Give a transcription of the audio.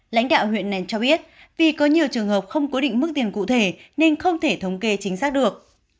lãnh đạo huyện này cho biết vì có nhiều trường hợp không cố định mức tiền cụ thể nên không thể thống kê chính xác được